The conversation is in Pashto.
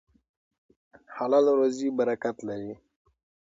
حلاله روزي برکت لري.